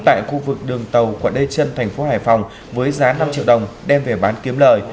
tại khu vực đường tàu quận đê trân thành phố hải phòng với giá năm triệu đồng đem về bán kiếm lời